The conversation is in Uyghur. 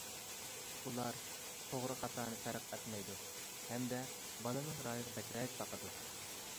ئۇلار توغرا-خاتانى پەرق ئەتمەيدۇ، ھەمدە بالىنىڭ رايىغا بەكرەك باقىدۇ.